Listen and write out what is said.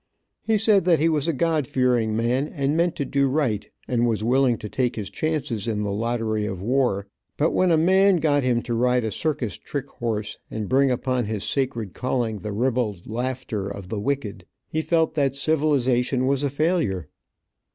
He said that he was a God fearing man, and meant to do right, and was willing to take his chances in the lottery of war, but when a man got him to ride a circus trick horse, and bring upon his sacred calling the ribald laughter of the wicked, he felt that civilization was a failure.